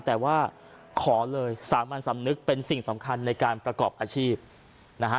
แต่ว่าขอเลยสามัญสำนึกเป็นสิ่งสำคัญในการประกอบอาชีพนะฮะ